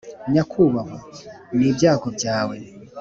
nyakubahwa, ni ibyago byawe.